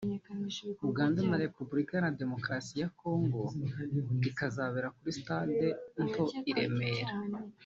Uganda na Repubulika Iharanira Demokarasi ya Congo rikazabera kuri stade nto i Remera